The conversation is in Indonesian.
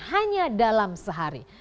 hanya dalam sehari